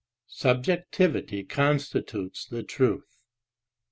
Subjectivity constitutes the truth.